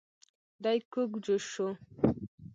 دی کوږ جوش شو.